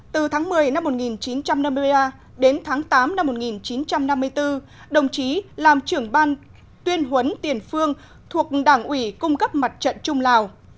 từ tháng một mươi năm một nghìn chín trăm năm mươi ba đến tháng tám năm một nghìn chín trăm năm mươi bốn đồng chí làm trưởng ban tuyên huấn tiền phương thuộc đảng ủy cung cấp mặt trận trung lào